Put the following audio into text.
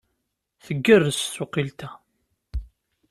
Tgerrez tsuqilt-a!